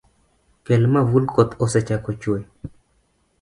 Kel mavul koth osechako chue.